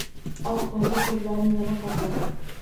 Oq parda ko‘zlarni yana qopladi.